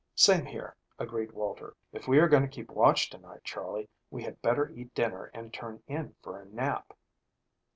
"Same here," agreed Walter. "If we are going to keep watch to night, Charley, we had better eat dinner and turn in for a nap."